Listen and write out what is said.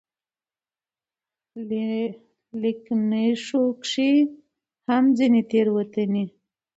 ليکنښو کې هم ځينې تېروتنې